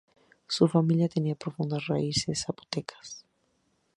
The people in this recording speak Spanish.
Su familia tenía profundas raíces zapotecas.